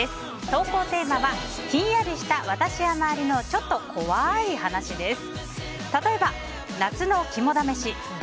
投稿テーマは、ヒンヤリした私や周りのちょっと怖い話です。